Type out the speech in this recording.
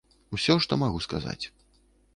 Усё, што магу сказаць.